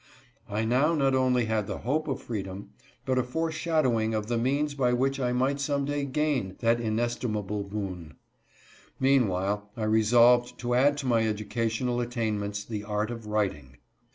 I now not only had the hope of freedom, but a foreshadowing_ojL—the means by which I might some day gain that inestimable boon. Meanwhile I resolved to add to my educational attainments the art of writing.